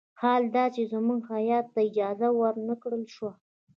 حال دا چې زموږ هیات ته اجازه ور نه کړل شوه.